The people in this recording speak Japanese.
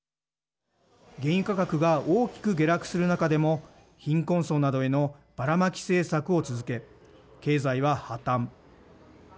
原油価格が大きく下落する中でも貧困層などへのばらまき政策を続け経済は破綻。